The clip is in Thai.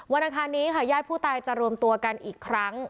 วันอันทางนี้ญาติผู้ตายจะรวมตัวกันอีกครั้ง